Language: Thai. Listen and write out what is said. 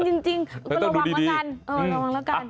เออจริงต้องระวังแล้วกัน